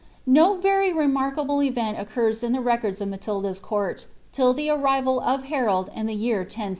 * very remarkable event occurs in the records of Matilda's coart, the arrival of Harold in the year 10G5.